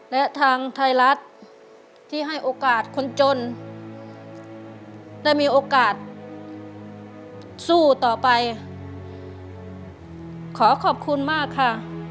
และทางไทยรัฐที่ให้โอกาสคนจนได้มีโอกาสสู้ต่อไปขอขอบคุณมากค่ะ